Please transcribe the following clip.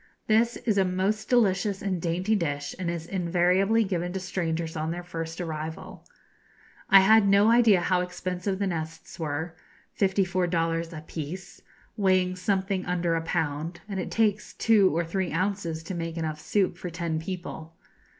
This is a most delicious and dainty dish, and is invariably given to strangers on their first arrival. I had no idea how expensive the nests were 54 dollars a 'pice,' weighing something under a pound, and it takes two or three ounces to make enough soup for ten people.